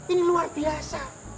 ini luar biasa